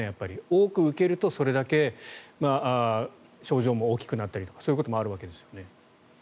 多く受けるとそれだけ症状も大きくなったりとかそういうこともあるわけですよね？